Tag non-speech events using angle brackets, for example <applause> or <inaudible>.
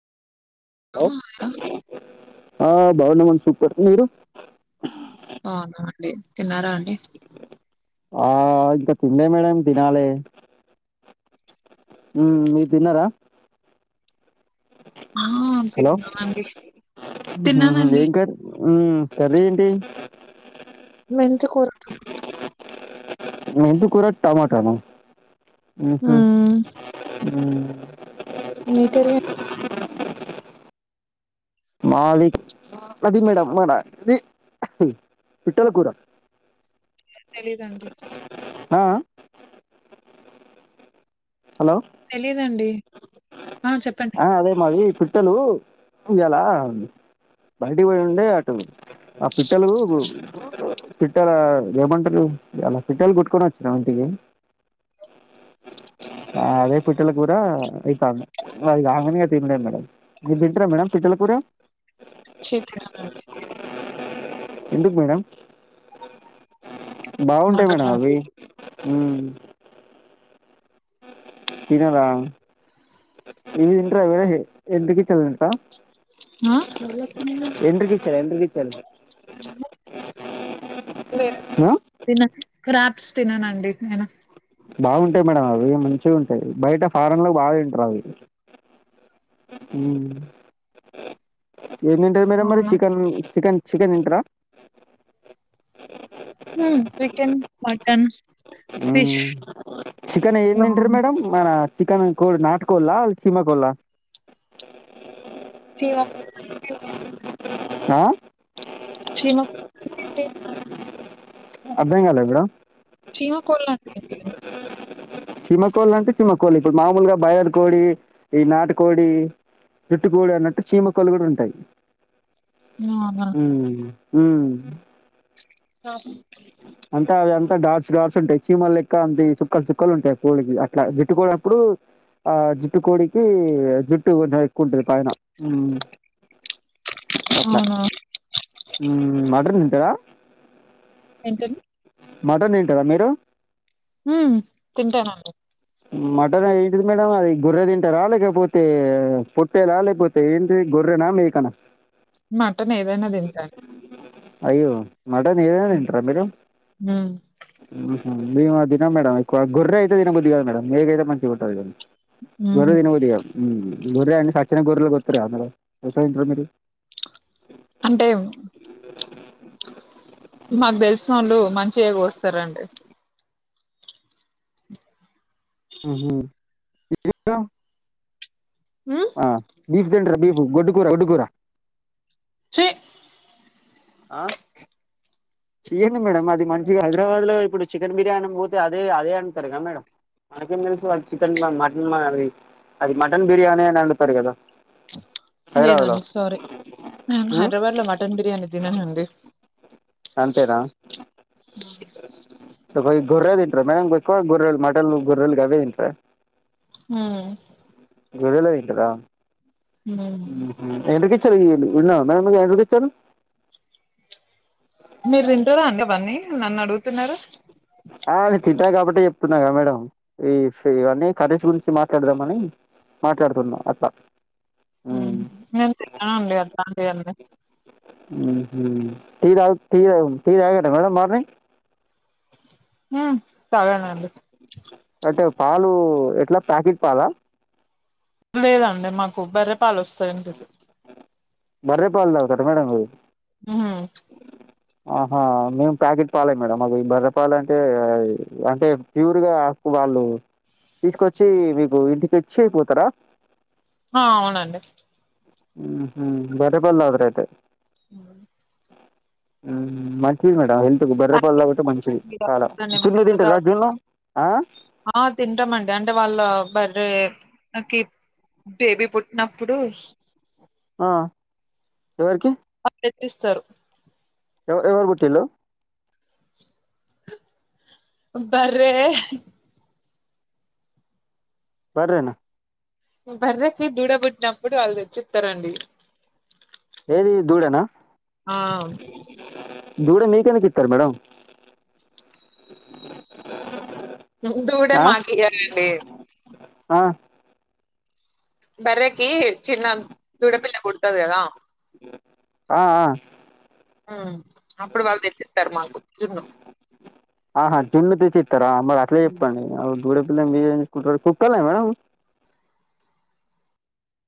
Hello ఆ ఆ బాగునమ్మన్ సూపర్ మీరు అవునా అడి తిన్నారా అండి. అండి ఆ ఇంకా తిన్లే మేడం తినాలి. మీరు తిన్నారా ఆ హలో తిన్నానండి తిన్నానండి ఏం కర్రీ ఉమ్ కర్రీ ఏంటి మెంతికూర మెంతీ కూర టమాటా నా ఆహ ఉ మ్మ్ అ మీ కర్రీ అం మాది మాది మేడం అది పీట్టల కూర తెలీదండి. ఆ హలో తెలీదండి ఆ చెప్పండి ఆ అదే మాది పిట్టలు ఎలా బయటి పోయి ఉండే అటు ఆ పిట్టలు పిట్టలా ఏమంటారు. పిట్టలు కొట్టుకొని వచ్చిన ఇంటికి అదే పిట్టల కూర అయితాంది. అది కంగానే తినేస్తాం. మీరు తింటరా మేడం పిట్టల కూర ఛీ! తిననండి ఎందుకు మేడం బాగుంటాయి నాకు మేడం అవి అట్లాంటివి మ్మ్ తినదా ఇవిదింట్ర ఎంటి పికిల్ తింట్రా ఆ ఎండ్రికిచ్చలు ఆ తిన్నా క్రాబ్స్ తిననండి నేను బాగుంటాయి మేడం అవి మంచిగుంటయి బయట ఫారెన్ లో బాగా తింటారు అవి ఏ తింటారు మీర మరి అవును చికెన్ చికెన్ చికెన్ తింటరా మ్మ్ చికెన్ మటన్ ఫిష్ మ్మ్ చికెన్ ఏందింటారు ప్రాన్ మేడం మన చికన్ కో నాటు కోళ్ల అ చీమకోళ్ల చీమ ఆ చీమకు అర్థం కాలా మేడమ్ చీమ కోళ్లండి చీమకోళ్ళు అంటే చీమకోళ్ళు ఇప్పుడు మామూలుగా బయర్ కోడి ఈ నాటకోడి జుట్టుకోడి అన్నట్టు చీమకోళ్ళు కూడా ఉంటాయి అవునా మ్మ్ మ్మ్ ఆ అంతా అదన్ తా డాట్స్ డాట్స్ ఉంటాయి చీమలు లెక్క అంత చుక్కలు చుక్కలు ఉంటాయి కోళ్ళకి అట్లా జుట్టుకోనప్పుడు ఆ జుట్టు కోడికి జుట్టు ఎక్కువ ఉంటది పైన అట్ల అవునా మ్మ్ అట్ తింటరా అంట మటన్ తింటరా మీరు మ్మ్ తింటానండి మటన్ ఏంటిది మేడం అది గొర్రె తింటరా లేకపోతే పొట్టేలా లేకపోతే ఏంటిది గొర్రెనా మేకన మటన్ ఏదైనా తింటాను అయ్యో మటన్ ఏదైనా తింటారా మీరు హ్మ్. మేము అది తినం మేడమ్ గోర్రయితే తినబుద్ధి కాదు మేడం మేకైతే మంచిగుంటది కానీ గొర్రె ఉహు తినబుద్ది కాదు మ్మ్ గొర్రె అంటే సచ్చిన గొర్రెలు కోత్తరు కదా మేడం ఎట్ల తింటరు మీరు అంటే మాకు తెలిసిన వాళ్ళు మంచిగా కోస్తారండి హ్మ్మ్ మ్మ్ బీఫ్ తింటరా బీఫ్ గొడ్డు కూర గొడ్డు కూర చే ఆ మేడడం అది మంచిగా హైదరాబాద్ లో ఇప్పుడు చికెన్ బిర్యానీ పోతే అదే అదే అంటతారు క మేడం మనకేం తెలిసి వాళ్ళ చికెన్ మటన్ అది అది మటన్ బిర్యానీ అని అడుతారు కదా హైదరాబాద్ లో లేదండి సారీ నేను ఉ హైదరాబాద్ లో మటన్ బిర్యానీ తిననండి అంతేరా గొర్రే తింటార మ్యామ్ ఎక్కువ గొర్రెలు మటలు గొర్రెలు అవే తింటార హ జడుల వంటద ఎంటక <unintelligible> మీరు తింటారా అవన్నీ నన్ను అడుగుతున్నారా ఆ అను తింటా కాబట్టి చెప్తున్నా కదా మేడ ఈ ఇవన్నీ కరష్ గురించి మాట్లాడదామని మాట్లాడుతున్నాం అట్లా మ్మ్. నేను తిననండి అట్లాంటివన్నీ మ్మ్. టీ తాగ్ టీ టీ తగ్గిర్రా మేడం మార్నింగ్ తగనడి అంటే పాలు ఎట్లా ప్యాకెట్ పాల లేదండి మాకు బరే పాలు వస్తాయంకు బర్రే పాల్దవ తట మేడం హ ఆహా మేము ప్యాకెట్ పాలే మేడంమ్ అ ఈ బర్రపాల అంటే అంటే ప్యూర్గాకు వాళ్ళు తీసుకొచ్చి మీకు ఇంటికి వచ్చి అయిపోతారా ఆ అవునండి ఉ బర్రె పాలు తాగుతారు అయితే అ మంచి మేడం ఎ బర్రపల్ తాగితే మంచిది చాలా జున్ను తింటారా జున్ను ఆ అరే నాకు బేబీ పుట్టినప్పుడు ఆ ఎవరికి ఆ ప్రయత్నిస్తారు ఎవ ఎవరు బుట్టిల్లు బరే బార్రేనా మీ భర్రకి దూడబుట్టినప్పుడు వాళ్ళు రచ్చితారంండి ఏది దూడనా ఆ దూడే మీకెందుకు యిత్తరు మేడం దూడ ఆ మాగాల ఆ బరే కీ చిన్న దూడపిల్ల పుడతదికాదా ఆ ఆ హమ్ ఆహా జున్ను తెచ్చిత్తార మరి అట్లా ఉమ్ చెప్పండి <unintelligible> మీరేం చేసుకుంటారు కుక్కల మేడం